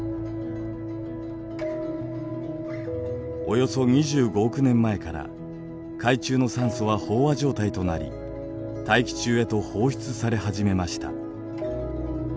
およそ２５億年前から海中の酸素は飽和状態となり大気中へと放出され始めました。